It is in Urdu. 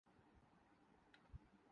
جیسے پہلے تھے۔